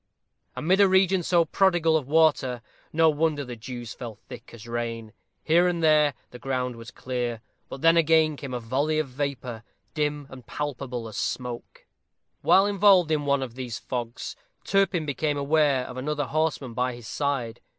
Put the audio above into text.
Amid a region so prodigal of water, no wonder the dews fell thick as rain. Here and there the ground was clear; but then again came a volley of vapor, dim and palpable as smoke. While involved in one of these fogs, Turpin became aware of another horseman by his side.